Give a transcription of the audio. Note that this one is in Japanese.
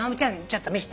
ちょっと見せて」